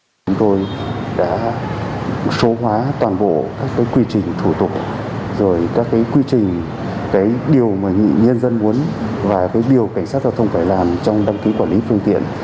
cục cảnh sát giao thông đã số hóa toàn bộ các quy trình thủ tục quy trình điều mà nhân dân muốn và điều cảnh sát giao thông phải làm trong đăng ký quản lý phương tiện